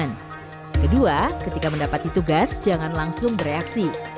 kedua ketika mendapati tugas jangan langsung bereaksi